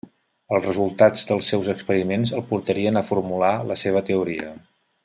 Els resultats dels seus experiments el portarien a formular la seva teoria.